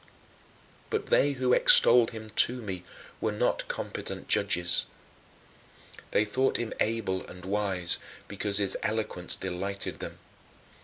But they who extolled him to me were not competent judges. They thought him able and wise because his eloquence delighted them.